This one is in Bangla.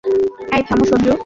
এই থাম, সঞ্জু।